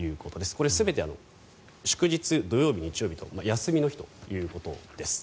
これ、全て祝日、土曜日、日曜日と休みの日ということです。